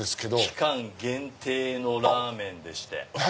期間限定のラーメンでして。